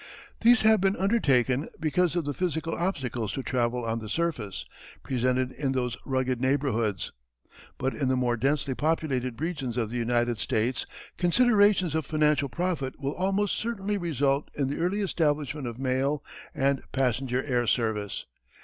These have been undertaken because of the physical obstacles to travel on the surface, presented in those rugged neighbourhoods. But in the more densely populated regions of the United States considerations of financial profit will almost certainly result in the early establishment of mail and passenger air service.